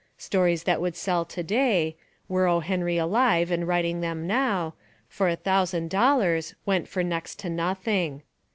Stories that would sell to day, — were O. Henry alive and writing them now, — for a thousand dollars, went for next to nothing.